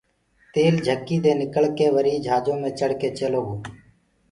تيل جھڪيٚ دي نڪݪڪي وريٚ جھاجو مي چڙه ڪي چيلو گو